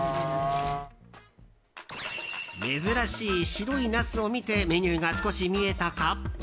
珍しい白いナスを見てメニューが少し見えたか？